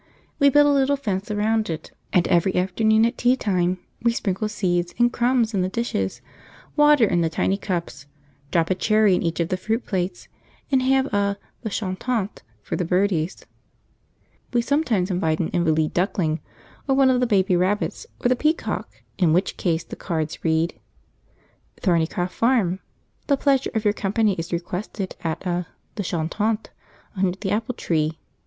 We built a little fence around it, and every afternoon at tea time we sprinkle seeds and crumbs in the dishes, water in the tiny cups, drop a cherry in each of the fruit plates, and have a the chantant for the birdies. We sometimes invite an "invaleed" duckling, or one of the baby rabbits, or the peacock, in which case the cards read: Thornycroft Farm. The pleasure of your company is requested at a The Chantant Under the Apple Tree.